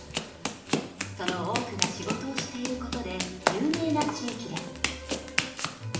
その多くが仕事をしていることで有名な地域です。